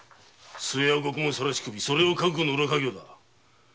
末は獄門さらし首を覚悟の裏稼業だ。